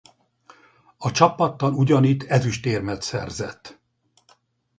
A csapattal ugyanitt ezüstérmet szerzett.